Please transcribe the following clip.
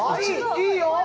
いいよ！